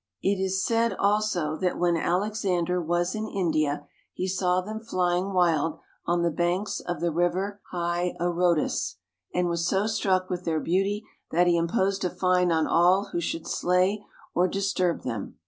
It is said also that when Alexander was in India he saw them flying wild on the banks of the river Hyarotis, and was so struck with their beauty that he imposed a fine on all who should slay or disturb them.